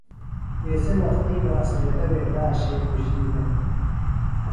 ایسےۡ وختی بہ اڅھریتہ وے داشے کوۡشنیۡ دےۡ